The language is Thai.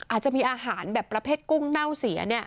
อาจจะมีอาหารแบบประเภทกุ้งเน่าเสีย